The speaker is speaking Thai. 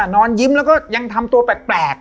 นอนยิ้มแล้วก็ยังทำตัวแปลก